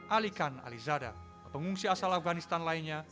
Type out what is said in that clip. alikan alizada pengungsi asal afganistan lainnya